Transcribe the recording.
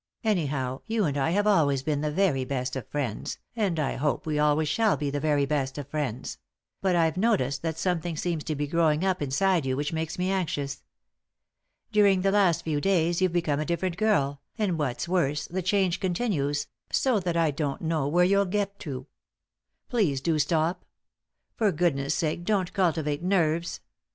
Anyhow, you and I have always been the very best of friends, and I hope we always shall be the very best of friends ; but I've noticed that something seems to be growing up in side you which makes me anxious. During the last few days you've become a different girl, and, what's worse, the change continues, so that I don't know where you'll 144 3i 9 iii^d by Google THE INTERRUPTED KISS get to. Please do stop I For goodness' sake don't cultivate nerves.